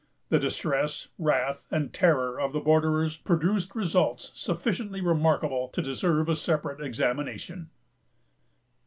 The distress, wrath, and terror of the borderers produced results sufficiently remarkable to deserve a separate examination.